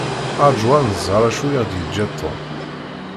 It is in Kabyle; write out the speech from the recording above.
Rju ad nẓer acu i ɣ-d-yeǧǧa Tom.